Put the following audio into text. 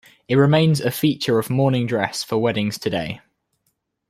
It remains a feature of morning dress for weddings today.